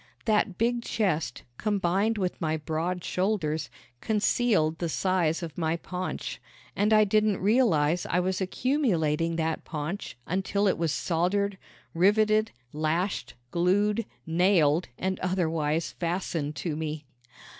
That big chest, combined with my broad shoulders, concealed the size of my paunch, and I didn't realize I was accumulating that paunch until it was soldered, riveted, lashed, glued, nailed and otherwise fastened to me.